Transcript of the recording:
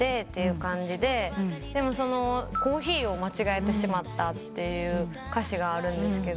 でも「コーヒーを間違えてしまった」って歌詞があるんですけど。